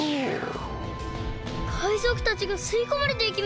かいぞくたちがすいこまれていきます！